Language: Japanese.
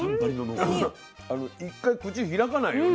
１回口開かないよね。